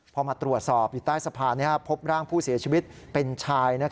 พอมาตรวจสอบอยู่ใต้สะพานพบร่างผู้เสียชีวิตเป็นชาย